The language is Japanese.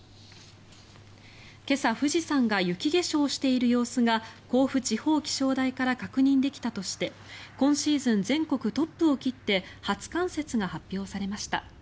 今朝富士山が雪化粧している様子が甲府地方気象台から確認できたとして今シーズン全国トップを切って初冠雪が発表されました。